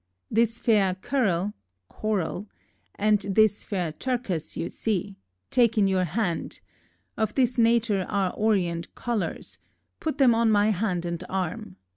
—"This faire currell (coral) and this faire turcas you see; take in your hand; of his natur arr orient coullers; put them on my hand and arm.